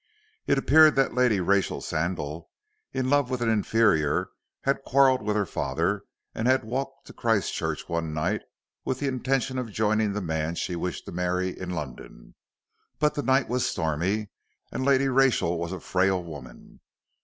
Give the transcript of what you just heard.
It appeared that Lady Rachel Sandal, in love with an inferior, had quarrelled with her father, and had walked to Christchurch one night with the intention of joining the man she wished to marry in London. But the night was stormy and Lady Rachel was a frail woman.